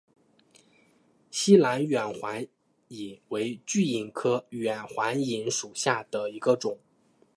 栖兰远环蚓为巨蚓科远环蚓属下的一个种。